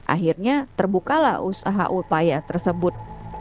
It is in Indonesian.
akhirnya terbukalah usaha upaya tersebut